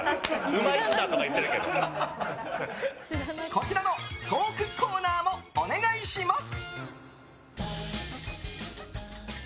こちらのトークコーナーもお願いします。